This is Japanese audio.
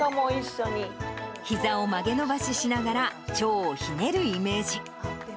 ひざを曲げ伸ばししながら、腸をひねるイメージ。